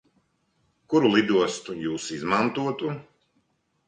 Kuru lidostu Jūs izmantotu?